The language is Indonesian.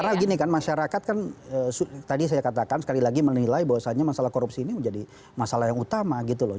karena begini kan masyarakat kan tadi saya katakan sekali lagi menilai bahwasannya masalah korupsi ini menjadi masalah yang utama gitu loh